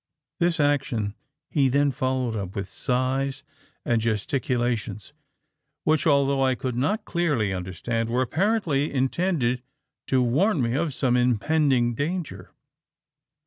"This action he then followed up with sighs and gesticulations which, although I could not clearly understand, were apparently intended to warn me of some impending danger.